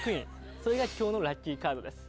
それが今日のラッキーカードです。